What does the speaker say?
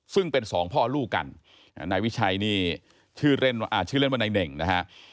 ซึ่งเป็น๒พ่อลูกกันนายวิชัยนี่ชื่อเล่นว่านายเน่๋งนะฮะ